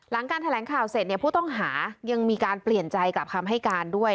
หลังการแถลงข่าวเสร็จเนี่ยผู้ต้องหายังมีการเปลี่ยนใจกลับคำให้การด้วย